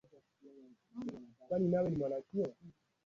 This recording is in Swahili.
wa binadamu ili kufafanua michakato ya kimsingi ya dawa za kulevya